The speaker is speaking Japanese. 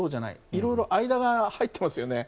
色々と間が入っていますよね。